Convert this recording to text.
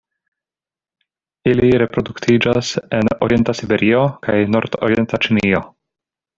Ili reproduktiĝas en orienta Siberio kaj nordorienta Ĉinio.